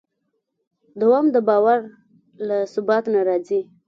دوام د باور له ثبات نه راځي.